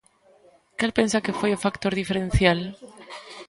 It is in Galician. Cal pensa que foi o factor diferencial?